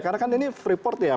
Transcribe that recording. karena kan ini freeport ya